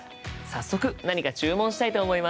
早速何か注文したいと思います！